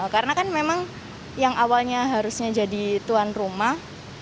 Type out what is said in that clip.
karena kan memang yang awalnya harusnya jadi tuan rumah